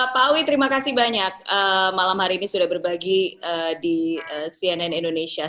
pak awi terima kasih banyak malam hari ini sudah berbagi di cnn indonesia